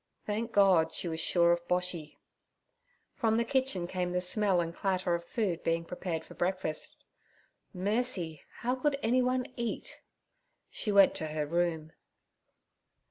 Thank God, she was sure of Boshy. From the kitchen came the smell and clatter of food being prepared for breakfast. Mercy! how could any one eat? She went to her room.